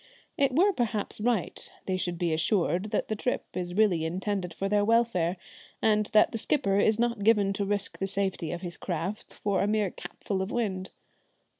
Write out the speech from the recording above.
It were perhaps right they should be assured that the trip is really intended for their welfare, and that the skipper is not given to risk the safety of his craft for a mere capful of wind.